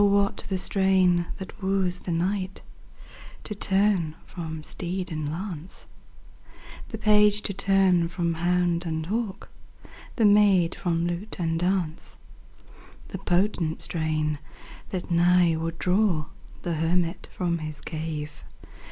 what the strain that woos the knight To turn from steed and lance, The page to turn from hound and hawk, The maid from lute and dance ; The potent strain, that nigh would draw The hermit from his cave.